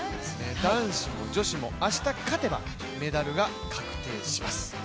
男子も女子も明日勝てばメダルが確定します。